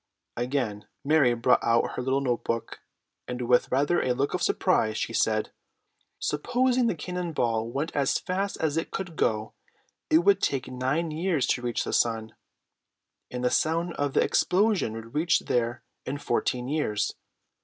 Again Mary brought out her little note book, and, with rather a look of surprise, she said: "Supposing the cannon ball went as fast as it could go, it would take nine years to reach the sun, and the sound of the explosion would reach there in fourteen years.